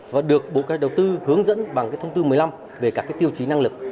và được bộ giao thông vận tải hướng dẫn bằng thông tư mười lăm về các tiêu chí năng lực